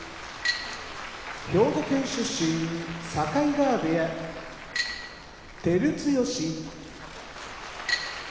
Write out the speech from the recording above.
兵庫県出身境川部屋照強兵庫県出身